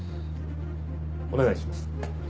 お願いします。